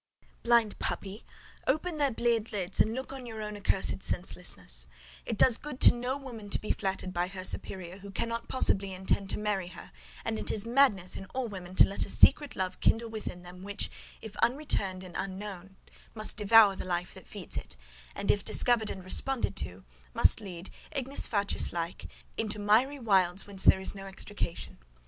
Blind puppy! Open their bleared lids and look on your own accursed senselessness! It does good to no woman to be flattered by her superior, who cannot possibly intend to marry her; and it is madness in all women to let a secret love kindle within them, which, if unreturned and unknown, must devour the life that feeds it; and, if discovered and responded to, must lead, ignis fatuus like, into miry wilds whence there is no extrication.